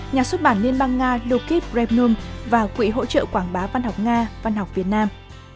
nhà xuất bản liên bang nga lukip ramum và quỹ hỗ trợ quảng bá văn học nga văn học việt nam